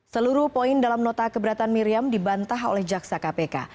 seluruh poin dalam nota keberatan miriam dibantah oleh jaksa kpk